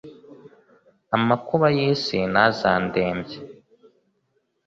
amakuba y’isi ntazandembye